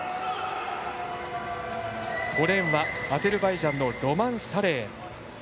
５レーンは、アゼルバイジャンのロマン・サレイ。